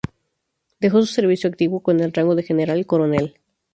Dejó su servicio activo con el rango de general coronel.